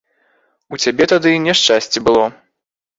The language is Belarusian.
У цябе тады няшчасце было.